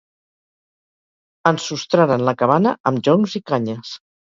Ensostraren la cabana amb joncs i canyes.